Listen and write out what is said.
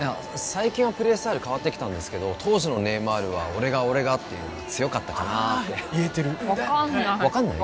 最近はプレイスタイル変わってきたんですけど当時のネイマールは「俺が俺が」っていうのが強かったかなってああ言えてる分かんない分かんない？